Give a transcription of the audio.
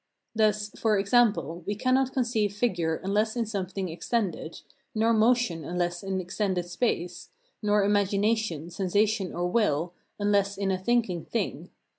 Thus, for example, we cannot conceive figure unless in something extended, nor motion unless in extended space, nor imagination, sensation, or will, unless in a thinking thing.